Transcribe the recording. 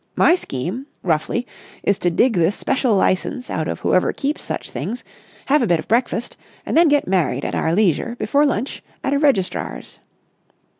My scheme—roughly—is to dig this special licence out of whoever keeps such things, have a bit of breakfast, and then get married at our leisure before lunch at a registrar's."